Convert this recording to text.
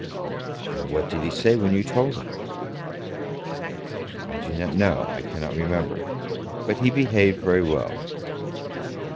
"And what did he say when you told him?" "I do not know. I cannot remember. But he behaved very well."